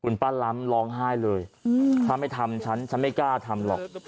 ป้าล้ำร้องไห้เลยถ้าไม่ทำฉันฉันไม่กล้าทำหรอก